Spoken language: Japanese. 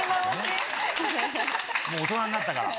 もう大人になったから。